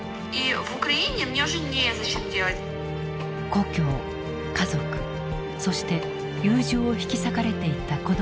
故郷家族そして友情を引き裂かれていった子どもたち。